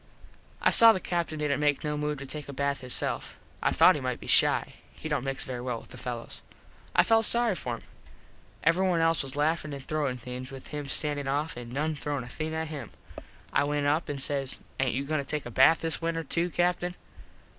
I saw the Captin didnt make no move to take a bath hisself. I thought he might be shy. He dont mix very well with the fellos. I felt sorry for him. Everyone else was laffin an throwin things with him standin off an noone throwin a thing at him. I went up an says "Aint you goin to take a bath this winter to, Captin?"